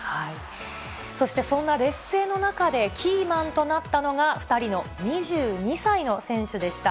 そして、そんな劣勢の中で、キーマンとなったのが、２人の２２歳の選手でした。